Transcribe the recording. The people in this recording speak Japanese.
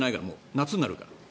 夏になるから。